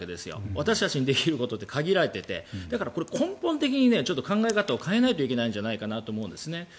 私たちにできることって限られていてだから、根本的に考え方を変えないといけないんじゃないかなと思うんです。